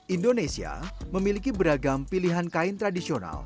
indonesia memiliki beragam pilihan kain tradisional